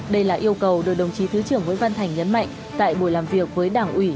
đây là yêu cầu được đồng chí thứ trưởng nguyễn văn thành nhấn mạnh tại buổi làm việc với đảng ủy